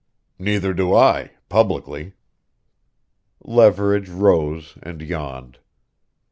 "Neither do I publicly." Leverage rose and yawned.